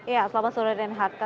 ya selamat sore dan hati